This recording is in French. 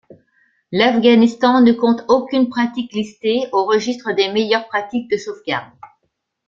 L'Afghanistan ne compte aucune pratique listée au registre des meilleures pratiques de sauvegarde.